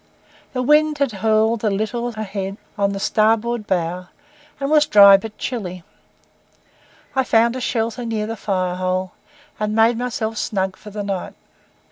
The wind had hauled a little ahead on the starboard bow, and was dry but chilly. I found a shelter near the fire hole, and made myself snug for the night.